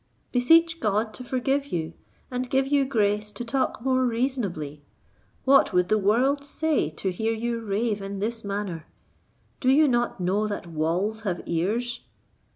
Beseech God to forgive you, and give you grace to talk more reasonably. What would the world say to hear you rave in this manner? Do you not know that 'walls have ears?'"